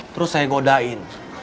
terus saya godain